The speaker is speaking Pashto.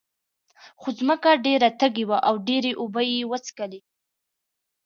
خو ځمکه ډېره تږې وه او ډېرې اوبه یې وڅکلې.